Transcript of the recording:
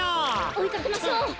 おいかけましょう。